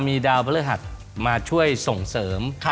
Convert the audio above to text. มีดาวพระฤหัสมาช่วยส่งเสริม